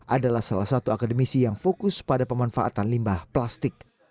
adalah salah satu akademisi yang fokus pada pemanfaatan limbah plastik